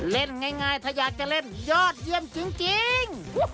เล่นง่ายถ้าอยากจะเล่นยอดเยี่ยมจริง